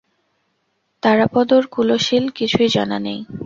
তারাপদর কুলশীল কিছুই জানা নেই।